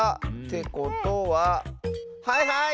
てことははいはい！